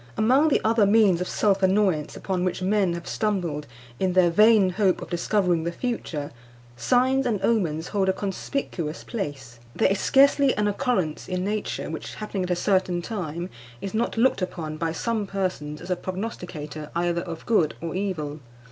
Among the other means of self annoyance upon which men have stumbled, in their vain hope of discovering the future, signs and omens hold a conspicuous place. There is scarcely an occurrence in nature which, happening at a certain time, is not looked upon by some persons as a prognosticator either of good or evil.